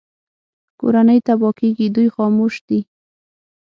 کورنۍ تباه کېږي دوی خاموش دي